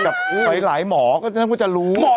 แต่หลายหมอก็จะรู้